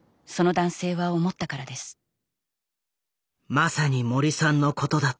まさに森さんのことだった。